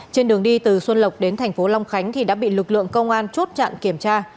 trên đường đi từ xuân lộc đến thành phố long khánh thì đã bị lực lượng công an chốt chặn kiểm tra